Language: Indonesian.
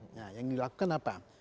nah yang dilakukan apa